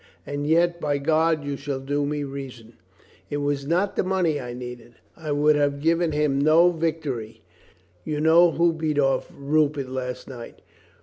And yet, by God, you shall do me reason ! It was not the money I needed. I would have given him no vic tory. You know who beat off Rupert last night.